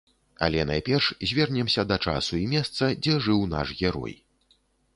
Але найперш звернемся да часу і месца, дзе жыў наш герой.